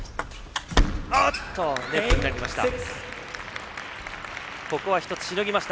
ネットになりました。